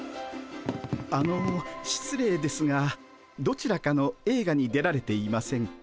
あの失礼ですがどちらかの映画に出られていませんか？